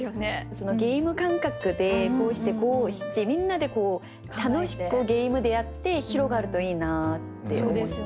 ゲーム感覚でこうして五七みんなでこう楽しくゲームでやって広がるといいなって思いますね。